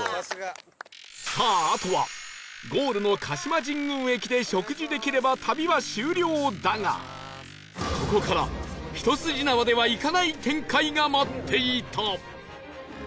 さああとはゴールの鹿島神宮駅で食事できれば旅は終了だがここから一筋縄ではいかない展開が待っていた